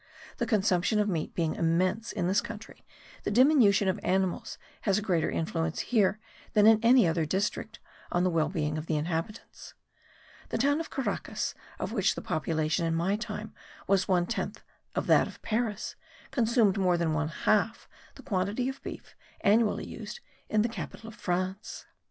The consumption of meat being immense in this country the diminution of animals has a greater influence here than in any other district on the well being of the inhabitants. The town of Caracas, of which the population in my time was one tenth of that of Paris, consumed more than one half the quantity of beef annually used in the capital of France.